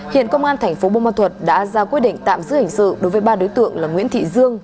hiện công an tp bumma thuật đã ra quy định tạm giữ hình sự đối với ba đối tượng là nguyễn thị dương